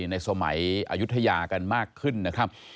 ในสมัยอายุทยากันมากขึ้นนะครับ